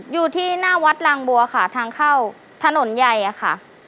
อยู่ที่หน้าวัดลางบัวค่ะทางเข้าถนนใหญ่อะค่ะ